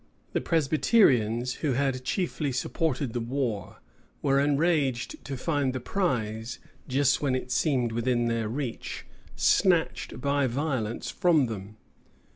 The Presbyterians, who had chiefly supported the war, were enraged to find the prize, just when it seemed within their reach, snatched by violence from them.